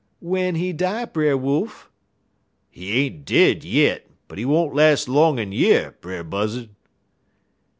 "'Wen he die, Brer Wolf?' "'He ain't dead yit, but he won't las' long in yer, Brer Buzzud.'